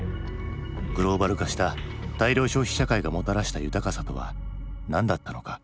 グローバル化した大量消費社会がもたらした豊かさとは何だったのか？